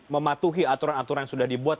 mematuhi aturan aturan yang sudah dibuat